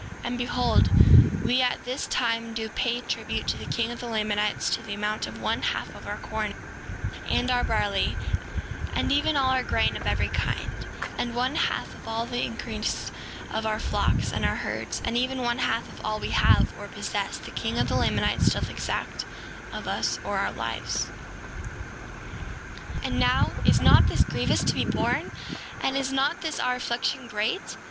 And behold, we at this time do pay tribute to the king of the Lamanites, to the amount of one half of our corn, and our barley, and even all our grain of every kind, and one half of the increase of our flocks and our herds; and even one half of all we have or possess the king of the Lamanites doth exact of us, or our lives. 7:23 And now, is not this grievous to be borne? And is not this, our affliction, great?